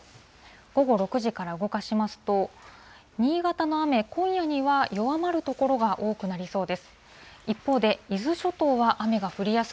午後６時から動かしますと、新潟の雨、今夜には弱まる所が多くなりそうです。